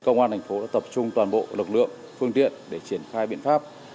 công an thành phố đã tập trung toàn bộ lực lượng phương tiện để triển khai biện pháp